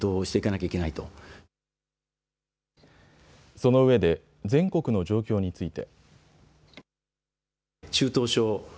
そのうえで全国の状況について。